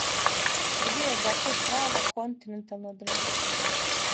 Србија је дакле права континентална држава